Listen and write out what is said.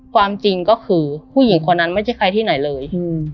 ความจริงก็คือผู้หญิงคนนั้นไม่ใช่ใครที่ไหนเลย